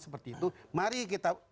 seperti itu mari kita